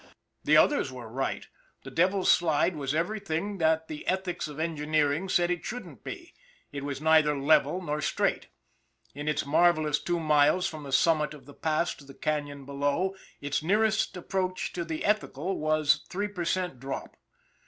The others were right the Devil's Slide was every thing that the ethics of engineering said it shouldn't be. It was neither level nor straight. In its marvelous two miles from the summit of the pass to the canon below, its nearest approach to the ethical was three percent drop.